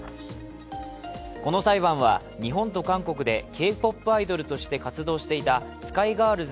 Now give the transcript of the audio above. この裁判は、日本と韓国でＫ−ＰＯＰアイドルとして活動していたＳＫＹＧＩＲＬＳ